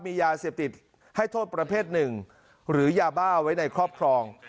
มียาเสพติดให้โทษประเภทหนึ่งหรือยาบ้าไว้ในครอบครอง